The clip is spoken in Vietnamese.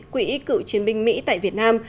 quỹ cựu chiến binh mỹ tại việt nam